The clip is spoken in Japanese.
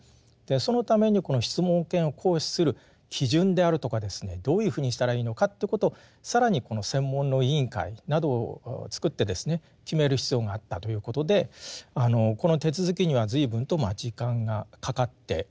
そのためにこの質問権を行使する基準であるとかですねどういうふうにしたらいいのかということを更にこの専門の委員会などを作って決める必要があったということでこの手続きには随分とまあ時間がかかっております。